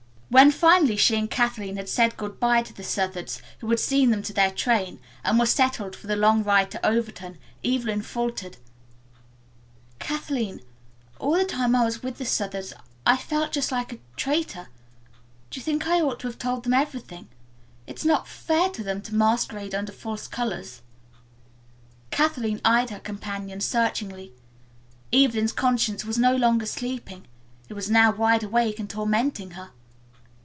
When finally she and Kathleen had said good bye to the Southards, who had seen them to their train, and were settled for the long ride to Overton, Evelyn faltered, "Kathleen, all the time I was with the Southards I felt just like a traitor. Do you think I ought to have told them everything? It's not fair to them to masquerade under false colors." Kathleen eyed her companion searchingly. Evelyn's conscience was no longer sleeping. It was now wide awake and tormenting her.